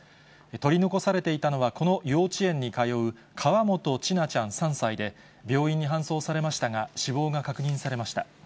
取り残されていたのはこの幼稚園に通う河本千奈ちゃん３歳で、病院に搬送されましたが、死亡が確認されました。